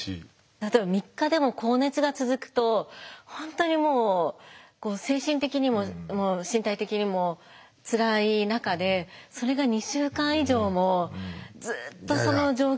例えば３日でも高熱が続くと本当にもう精神的にも身体的にもつらい中でそれが２週間以上もずっとその状況